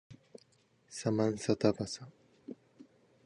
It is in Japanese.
サマンサタバサ